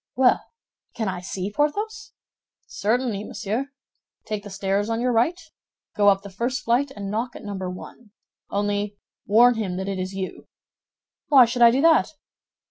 "Well, can I see Porthos?" "Certainly, monsieur. Take the stairs on your right; go up the first flight and knock at Number One. Only warn him that it is you." "Why should I do that?"